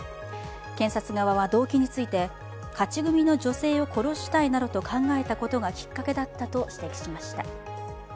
検察側は動機について勝ち組の女性を殺したいなどと考えたことがきっかけだったと指摘しました。